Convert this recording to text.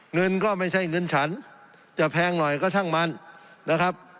เงินก็ไม่ใช่เงินฉันจะแพงหน่อยก็ช่างมันนะครับ